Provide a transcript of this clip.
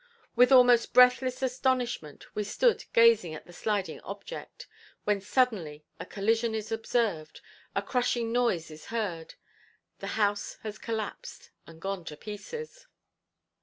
With almost breathless astonishment, we stood gazing at the sliding object, when suddenly a collision is observed, a crushing noise is heard, the house has collapsed and gone to pieces.